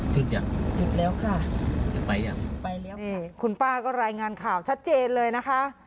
จุดยังจุดแล้วค่ะจะไปยังไปแล้วคุณป้าก็รายงานข่าวชัดเจนเลยนะคะ